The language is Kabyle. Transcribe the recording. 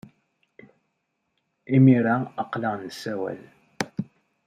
Imir-a, aql-aɣ nessawal.